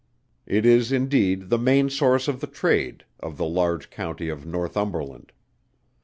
It is indeed the main source of the trade of the large County of Northumberland.